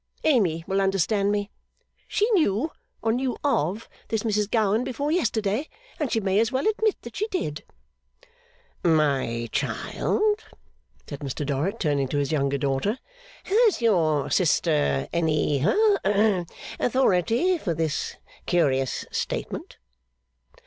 Amy will understand me. She knew, or knew of, this Mrs Gowan before yesterday, and she may as well admit that she did.' 'My child,' said Mr Dorrit, turning to his younger daughter, 'has your sister any ha authority for this curious statement?